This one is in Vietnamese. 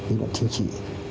ý đoạn chính trị